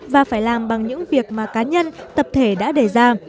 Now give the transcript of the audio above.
và phải làm bằng những việc mà cá nhân tập thể đã đề ra